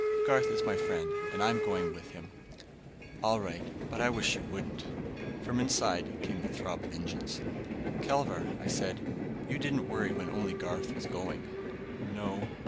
"Garth is my friend and I'm going with him." "All right. But I wish you wouldn't." From inside came the throb of engines. "Kelvar," I said, "you didn't worry when only Garth was going." "No."